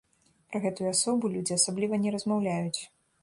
Пра гэтую асобу людзі асабліва не размаўляюць.